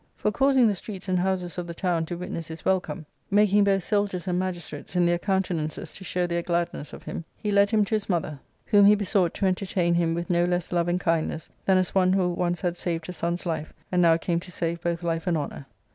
For, causing the streets and houses of the town to witness his welcome, making both soldiers and magistrates in their countenances to show their gladness of him, he led him to his mother, whom he besought to entertain him with no less love and kindness than as one who once had saved her son's life, and now came to save both life and honour.